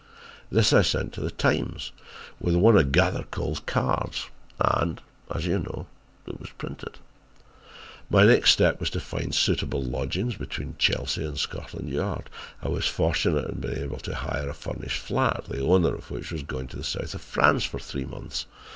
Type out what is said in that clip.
"This I sent to The Times with one of Gathercole's cards and, as you know, it was printed. My next step was to find suitable lodgings between Chelsea and Scotland Yard. I was fortunate in being able to hire a furnished flat, the owner of which was going to the south of France for three months.